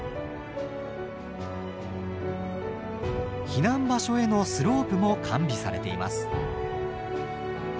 避難場所へのスロープも完備されています。